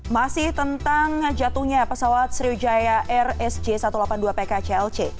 masih tentang jatuhnya pesawat sriwijaya rsj satu ratus delapan puluh dua pk clc